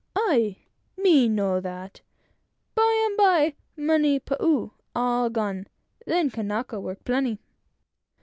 "Aye! me know that. By 'em by money pau all gone; then Kanaka work plenty."